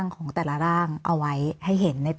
มีความรู้สึกว่าเสียใจ